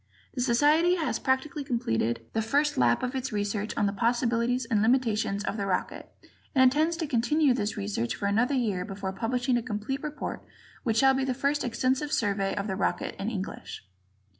The Society has practically completed the first lap of its research on the possibilities and limitations of the rocket, and intends to continue this research for another year before publishing a complete report which shall be the first extensive survey of the rocket in English.